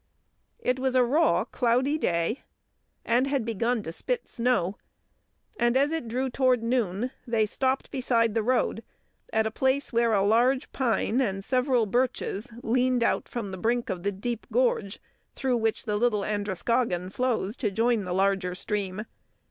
It was a raw, cloudy day, and had begun to "spit snow"; and as it drew toward noon, they stopped beside the road at a place where a large pine and several birches leaned out from the brink of the deep gorge through which the Little Androscoggin flows to join the larger stream.